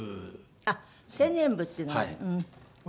あっ青年部っていうのがあるの？